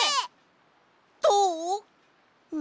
どう？